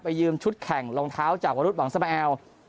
ยืมชุดแข่งรองเท้าจากวรุษหวังสมแอล